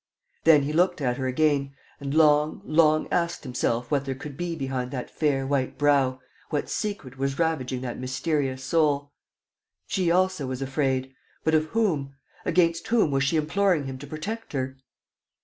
Then he looked at her again and long, long asked himself what there could be behind that fair, white brow, what secret was ravaging that mysterious soul. She also was afraid. But of whom? Against whom was she imploring him to protect her?